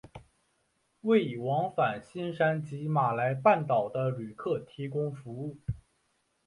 为往返新山及马来半岛的旅客提供服务。